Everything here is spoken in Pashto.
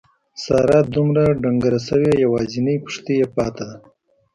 ساره دومره ډنګره شوې یوازې پښتۍ پاتې ده.